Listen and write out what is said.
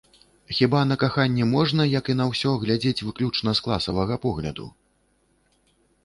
Хіба на каханне можна, як і на ўсё, глядзець выключна з класавага погляду?